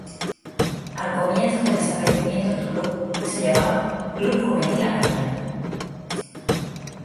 Al comienzo del establecimiento del club, se llamaba "Club Juvenil Arabia".